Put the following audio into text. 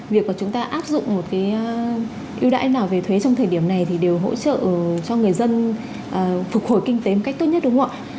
việc mà chúng ta áp dụng một cái ưu đãi nào về thuế trong thời điểm này thì đều hỗ trợ cho người dân phục hồi kinh tế một cách tốt nhất đúng không ạ